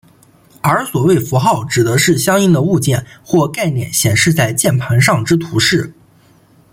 而所谓符号指的是相应的物件或概念显示在键盘上之图示。